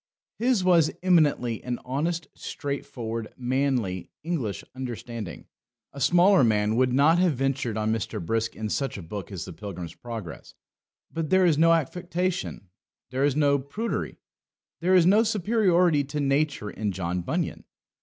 His was eminently an honest, straightforward, manly, English understanding. A smaller man would not have ventured on Mr. Brisk in such a book as the Pilgrim's Progress. But there is no affectation, there is no prudery, there is no superiority to nature in John Bunyan.